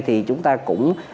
thì chúng ta cũng